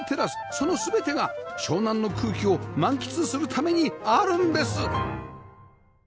その全てが湘南の空気を満喫するためにあるんです！